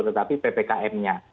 tetapi ppkm nya